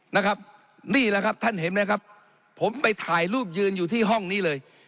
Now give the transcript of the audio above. นะครับนี่แหละครับท่านเห็นไหมครับผมไปถ่ายรูปยืนอยู่ที่ห้องนี้เลย